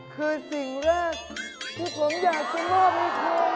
คือสิ่งแรกที่ผมอยากจะมอบนี่คือ